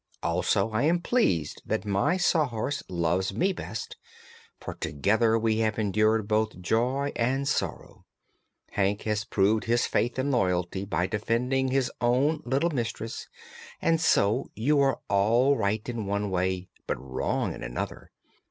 Also I am pleased that my Sawhorse loves me best, for together we have endured both joy and sorrow. Hank has proved his faith and loyalty by defending his own little mistress; and so you are all right in one way, but wrong in another.